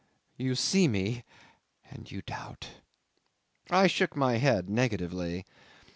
You see me and you doubt." 'I shook my head negatively.